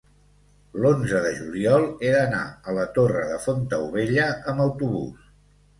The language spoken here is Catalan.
l'onze de juliol he d'anar a la Torre de Fontaubella amb autobús.